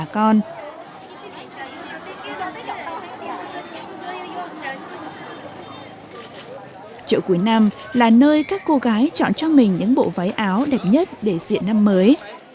chợ cuối năm là nơi các cô gái chọn cho mình những bộ váy áo đẹp nhất để diện năm mới